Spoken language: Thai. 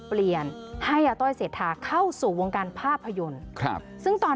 เปลี่ยนให้อาต้อยเศรษฐาเข้าสู่วงการภาพยนตร์ครับซึ่งตอน